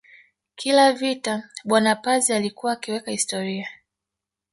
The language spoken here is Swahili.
Kila vita bwana Pazi alikuwa akiweka historia